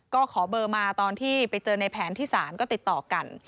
ก็ขอเบอร์มาตอนที่ไปเจอในแผนที่ศาลก็ติดต่อกัน